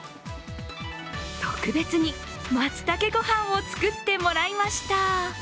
特別にまつたけご飯を作ってもらいました。